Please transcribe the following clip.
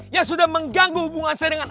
yang sudah mengganggu hubungan saya dengan